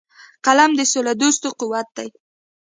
قلم د سولهدوستو قوت دی